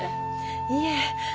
いえ。